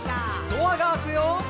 「ドアが開くよ」